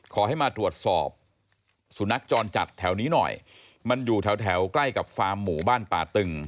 ขอให้มาตรวจสอบสุนัขจรจัดแถวนี้หน่อยมันอยู่แถวแถวใกล้กับฟาร์มหมู่บ้านป่าตึง